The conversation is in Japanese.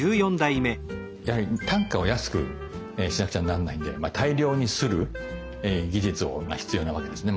やはり単価を安くしなくちゃなんないんで大量に摺る技術が必要なわけですね。